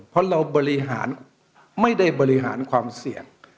เพราะเราบริหารไม่ได้บริหารความเสี่ยง